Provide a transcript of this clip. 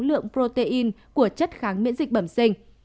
lượng protein của chất kháng miễn dịch bẩm sinh